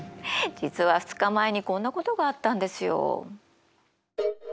実は２日前にこんなことがあったんですよ。